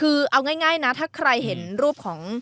เอาง่ายนะถ้าใครเห็นรูป